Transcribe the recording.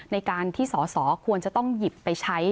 ในการที่สอสอควรจะต้องหยิบไปใช้